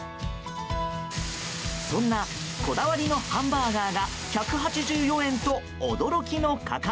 そんなこだわりのハンバーガーが１８４円と驚きの価格。